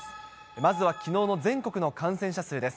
まずはきのうの全国の感染者数です。